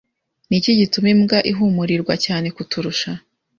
Ni iki gituma imbwa ihumurirwa cyane kuturusha